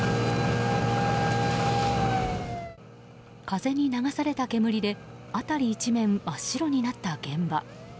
風に流された煙で辺り一面、真っ白になった現場。